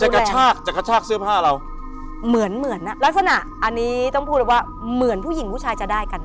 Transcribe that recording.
กระชากจะกระชากเสื้อผ้าเราเหมือนเหมือนอ่ะลักษณะอันนี้ต้องพูดเลยว่าเหมือนผู้หญิงผู้ชายจะได้กันนะ